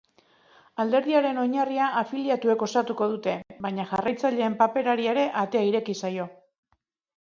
Alderdiaren oinarria afiliatuek osatuko dute, baina jarraitzaileen paperari ere atea ireki zaio.